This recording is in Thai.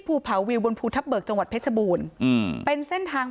ภูผาวิวบนภูทับเบิกจังหวัดเพชรบูรณ์อืมเป็นเส้นทาง